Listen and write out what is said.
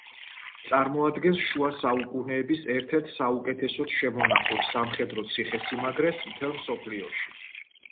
წარმოადგენს შუა საუკუნეების ერთ-ერთ საუკეთესოდ შემონახულ სამხედრო ციხესიმაგრეს მთელ მსოფლიოში.